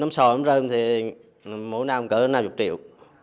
nấm sò nấm rơm thì mỗi năm cỡ năm mươi triệu